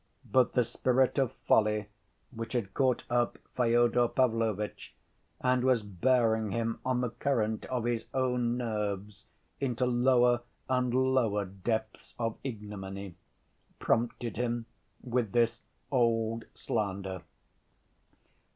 But the spirit of folly, which had caught up Fyodor Pavlovitch, and was bearing him on the current of his own nerves into lower and lower depths of ignominy, prompted him with this old slander.